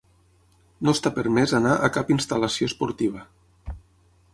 No està permès anar a cap instal·lació esportiva.